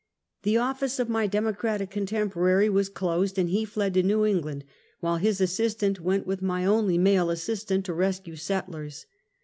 The office of my democratic contempora ry was closed, and he fled to 'New England, while his assistant went with my only male assistant to rescue settlers.